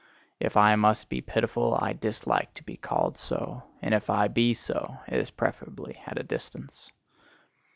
If I must be pitiful, I dislike to be called so; and if I be so, it is preferably at a distance.